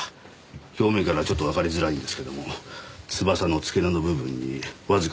表面からはちょっとわかりづらいんですけども翼の付け根の部分にわずかですが血痕が付着してました。